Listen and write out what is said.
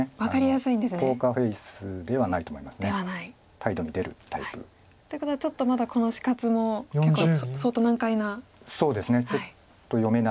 態度に出るタイプ。っていうことはちょっとまだこの死活も結構相当難解な。